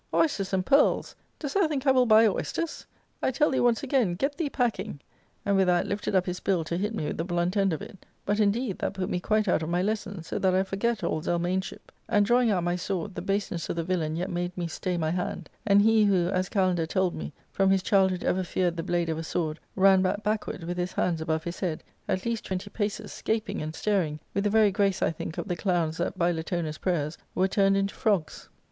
Oysters and pearls ! Dost thou think I will buy oysters? I tell thee once again, get thee packing.' And with that lifted up his bill to hit me with the blunt end of it ; but, indeed, that put me quite out of my lesson, so that I forgat all Zelmaneship,* and, drawing out my sword, the base* ness of the villain yet made me stay" my hand, and he who, as Kalander told me, from his childhood ever feared the blade of a sword, ran back backward, with his hands above his head, at least twenty paces, gaping and staring, with the very grace, I think, of the clowns that, by Latona's prayers, were turned into frogs.